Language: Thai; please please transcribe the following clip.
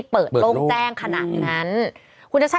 เป็นการกระตุ้นการไหลเวียนของเลือด